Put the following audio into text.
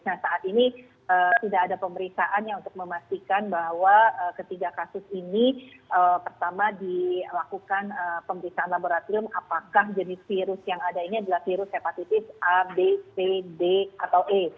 nah saat ini tidak ada pemeriksaan yang untuk memastikan bahwa ketiga kasus ini pertama dilakukan pemeriksaan laboratorium apakah jenis virus yang ada ini adalah virus hepatitis a b c d atau e